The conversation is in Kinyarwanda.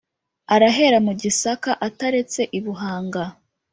Arahera mu Gisaka ataretse u Buhanga